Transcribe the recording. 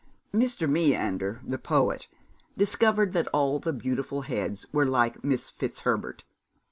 Mr. Meander, the poet, discovered that all the beautiful heads were like Miss Fitzherbert.